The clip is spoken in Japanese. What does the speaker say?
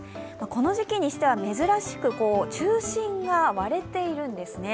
この時期にしては珍しく中心が割れているんですね。